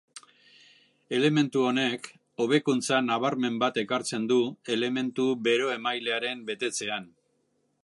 Elementu honek hobekuntza nabarmen bat ekartzen du elementu bero-emailearen betetzean.